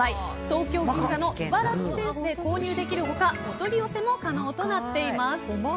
東京・銀座のＩＢＡＲＡＫＩｓｅｎｓｅで購入できる他お取り寄せも可能となっています。